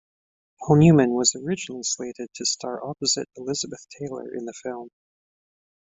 Paul Newman was originally slated to star opposite Elizabeth Taylor in the film.